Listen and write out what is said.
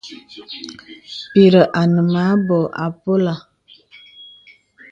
Pìghə̀ ane mə anbô àpolə̀.